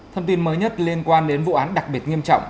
thông tin mới nhất liên quan đến vụ án đặc biệt nghiêm trọng